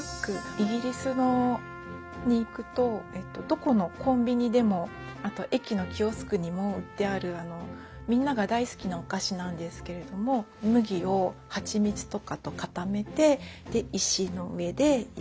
イギリスに行くとどこのコンビニでもあと駅のキヨスクにも売ってあるみんなが大好きなお菓子なんですけれども麦をはちみつとかと固めて石の上で焼いて食べてたっていう。